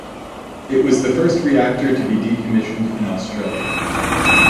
It was the first reactor to be decommissioned in Australia.